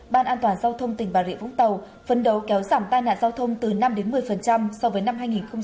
ban an toàn giao thông tỉnh bà rịa vũng tàu phấn đấu kéo giảm tai nạn giao thông từ năm một mươi so với năm hai nghìn một mươi tám